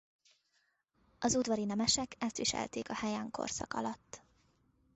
Az udvari nemesek ezt viselték a Heian-korszak alatt.